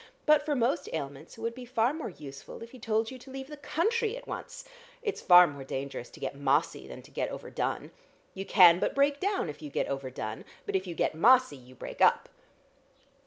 But for most ailments it would be far more useful if he told you to leave the country at once. It's far more dangerous to get mossy than to get over done. You can but break down if you get over done, but if you get mossy you break up."